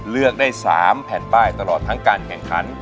เลือกได้๓แผ่นป้ายตลอดทั้งการแข่งขัน